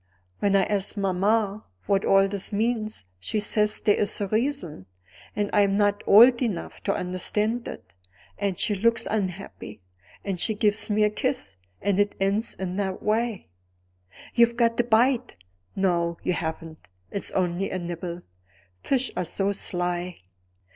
When I ask mamma what all this means, she says there is a reason, and I am not old enough to understand it, and she looks unhappy, and she gives me a kiss, and it ends in that way. You've got a bite; no you haven't; it's only a nibble; fish are so sly.